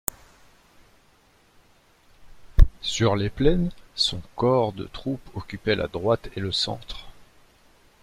Sur les plaines, son corps de troupes occupait la droite et le centre.